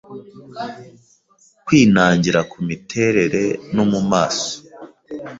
Kwinangira kumiterere no mumaso